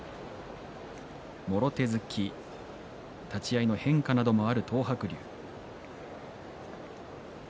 もろ手突き立ち合いの変化などもある東白龍。